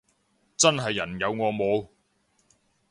真係人有我冇